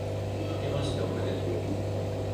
明けましておめでとう